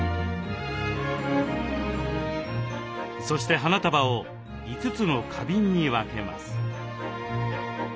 そして花束を５つの花瓶に分けます。